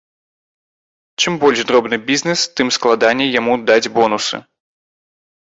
Чым больш дробны бізнэс, тым складаней яму даць бонусы.